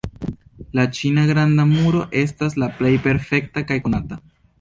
La ĉina Granda Muro estas la plej perfekta kaj konata.